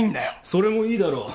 それもいいだろう。